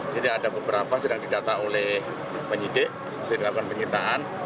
jadi ada beberapa yang sedang didata oleh penyidik penyitaan